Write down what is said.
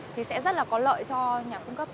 thì sẽ rất là có lợi cho nhà cung cấp